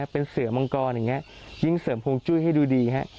เป็นเสือมังกรอย่างนี้ยิ่งเสริมพวงจุ้ยให้ดูดีฮะ